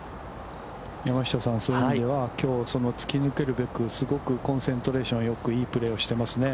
山下さん、そういう意味では、きょう、突き抜けるべく、すごくコンセントレーションよくいいプレーをしていますね。